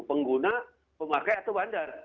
pengguna pemakai atau bandar